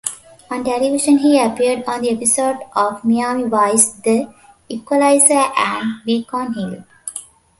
On television, he appeared on episodes of "Miami Vice", "The Equalizer", and "Beacon Hill".